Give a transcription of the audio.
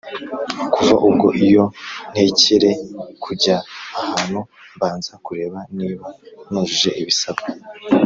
Kuva ubwo iyo ntekere kujya ahantu mbanza kureba niba nujuje ibisabwa